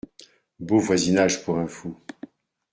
Beau voisinage pour un fou !